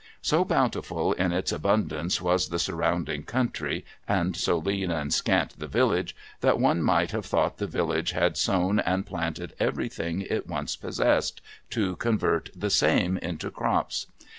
So bountiful in its abundance was the surrounding country, and so lean and scant the village, that one might have thought the village had sown and planted everything it once possessed, to convert the same into crops.